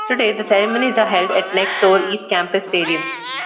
Today, the ceremonies are held at next-door East Campus Stadium.